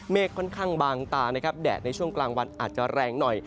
ค่อนข้างบางตานะครับแดดในช่วงกลางวันอาจจะแรงหน่อย